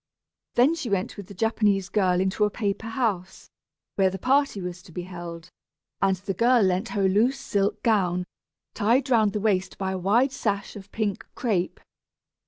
Then she went with the Japanese girl into a paper house, where the party was to be held, and the girl lent her a loose silk gown, tied round the waist by a wide sash of pink crêpe.